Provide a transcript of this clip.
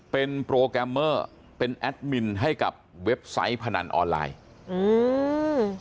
เป็นโปรแกรมเมอร์เป็นแอดมินให้กับเว็บไซต์พนันออนไลน์อืม